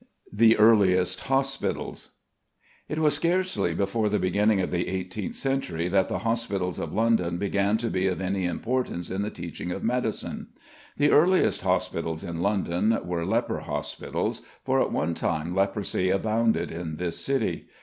THE EARLIEST HOSPITALS. It was scarcely before the beginning of the eighteenth century that the hospitals of London began to be of any importance in the teaching of medicine. The earliest hospitals in London were leper hospitals, for at one time leprosy abounded in this city.